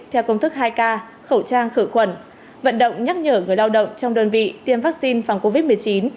theo công thức hai k khẩu trang khử khuẩn vận động nhắc nhở người lao động trong đơn vị tiêm vaccine phòng covid một mươi chín